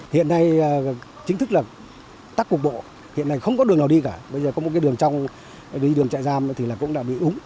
hiện nay chính thức là tắc cục bộ hiện nay không có đường nào đi cả bây giờ có một cái đường trong đi đường chạy giam thì cũng đã bị úng